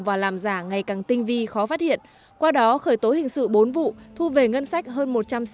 và làm giả ngày càng tinh vi khó phát hiện qua đó khởi tố hình sự bốn vụ thu về ngân sách hơn